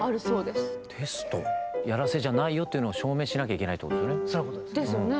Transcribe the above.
やらせじゃないよっていうのを証明しなきゃいけないってことですよね。